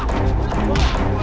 tuh ada saya